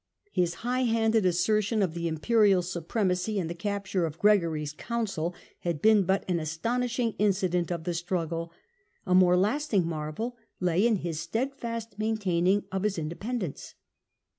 His high handed assertion of the Imperial supre macy in the capture of Gregory's Council had been but an astonishing incident of the struggle : a more lasting marvel lay in his steadfast maintaining of his indepen dence.